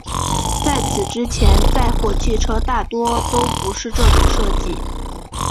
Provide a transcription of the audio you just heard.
在此之前载货汽车大多都不是这种设计。